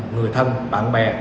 người thân bạn bè